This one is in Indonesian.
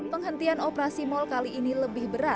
penghentian operasi mal kali ini lebih berat